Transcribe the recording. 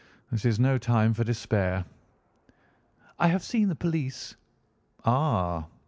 This is no time for despair." "I have seen the police." "Ah!"